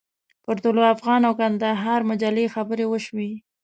پر طلوع افغان او کندهار مجلې خبرې وشوې.